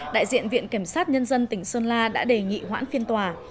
đại diện viện kiểm sát nhân dân tỉnh sơn la đã đề nghị hoãn phiên tòa